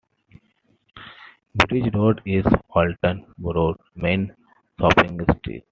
Bridge Road is Oulton Broad's main shopping street.